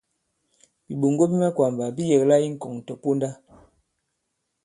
Bìɓoŋgo bi makwàmbà bi yɛ̀kla i ŋkɔ̀ŋ tɔ̀ponda.